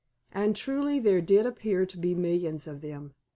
And truly there did appear to be millions of them.